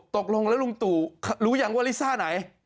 ตกลงแล้วลุงตู่รู้ยังว่าลิซ่าไหน